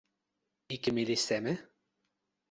ike mi li seme?